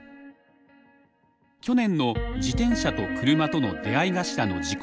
去年の自転車と車との出会い頭の事故。